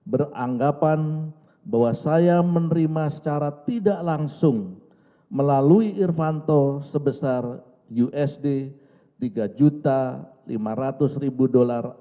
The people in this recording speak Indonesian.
beranggapan bahwa saya menerima secara tidak langsung melalui irvanto sebesar usd tiga lima ratus